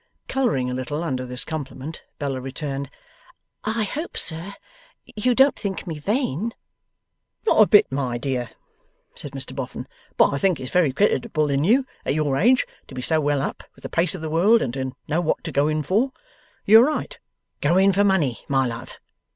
Colouring a little under this compliment, Bella returned, 'I hope sir, you don't think me vain?' 'Not a bit, my dear,' said Mr Boffin. 'But I think it's very creditable in you, at your age, to be so well up with the pace of the world, and to know what to go in for. You are right. Go in for money, my love.